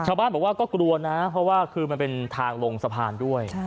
ชาวบ้านบอกว่าก็กลัวนะเพราะว่าคือมันเป็นทางลงสะพานด้วย